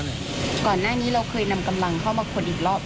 ก่อนหน้านี้เราเคยนำกำลังเข้ามาค้นอีกรอบ